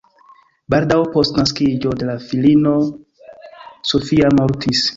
Baldaŭ post naskiĝo de la filino "Sofia" mortis.